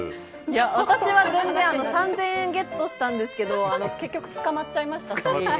私は全然３０００円ゲットしたんですけど結局、捕まっちゃいましたし。